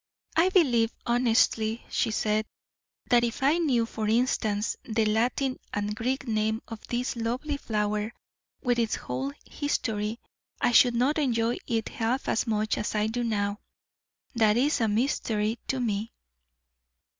"I believe, honestly," she said, "that if I knew, for instance, the Latin and Greek name of this lovely flower, with its whole history, I should not enjoy it half as much as I do now. That is a mystery to me."